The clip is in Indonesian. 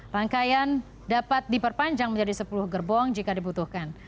rangkaian dapat diperpanjang menjadi sepuluh gerbong jika dibutuhkan